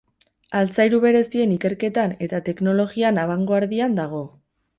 Altzairu berezien ikerketan eta teknologian abangoardian dago.